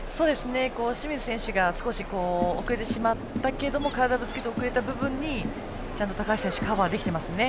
清水選手が少し遅れてしまったけれども体をぶつけて遅れた部分にちゃんと高橋選手はカバーできてますね。